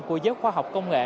của giới khoa học công nghệ